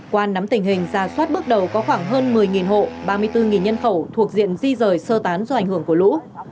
qua nắm tình hình ra soát bước đầu có khoảng hơn một mươi hộ ba mươi bốn nhân khẩu thuộc diện di rời sơ tán do ảnh hưởng của lũ